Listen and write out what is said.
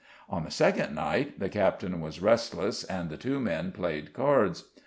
On the second night the captain was restless, and the two men played cards.